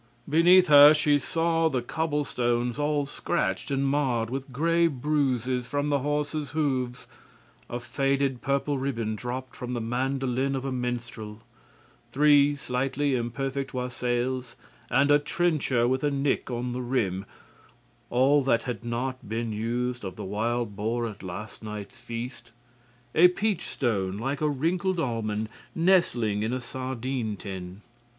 Beneath her she saw the cobble stones all scratched and marred with gray bruises from the horses' hoofs, a faded purple ribbon dropped from the mandolin of a minstrel, three slightly imperfect wassails and a trencher with a nick on the rim, all that had not been used of the wild boar at last night's feast, a peach stone like a wrinkled almond nestling in a sardine tin.